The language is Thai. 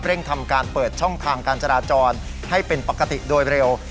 ทำการเปิดช่องทางการจราจรให้เป็นปกติโดยเร็ว